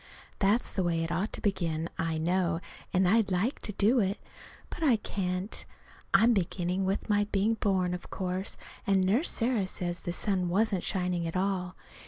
That's the way it ought to begin, I know, and I'd like to do it, but I can't. I'm beginning with my being born, of course, and Nurse Sarah says the sun wasn't shining at all.